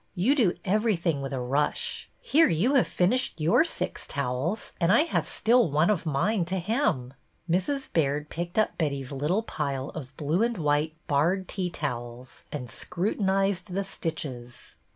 You do everything with a rush. Here you have finished your six towels and I have still one of mine to hem." Mrs. Baird picked up Betty's little pile of blue and white barred tea towels and scrutinized the stitches.